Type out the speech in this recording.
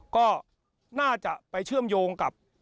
ก็น่าจะไปเชื่อมโยงกับ